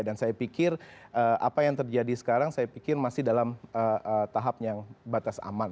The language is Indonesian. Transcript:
dan saya pikir apa yang terjadi sekarang saya pikir masih dalam tahap yang batas aman